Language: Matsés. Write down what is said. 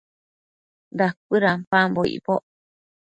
Dacuëdampambo icboc